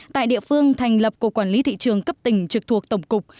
tại địa phương thành lập cục quản lý thị trường cấp tỉnh trực thuộc tổng cục